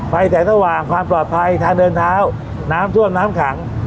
แสงสว่างความปลอดภัยทางเดินเท้าน้ำท่วมน้ำขัง